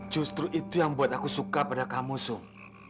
justru itu yang buat aku suka pada kamu sum